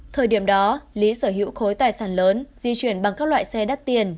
thời điểm đó lý sở hữu khối tài sản lớn di chuyển bằng các loại xe đắt tiền